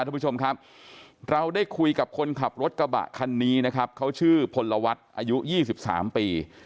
ทุกผู้ชมครับเราได้คุยกับคนขับรถกระบะคันนี้นะครับเขาชื่อพลวัฒน์อายุ๒๓ปี